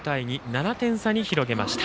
７点差に広げました。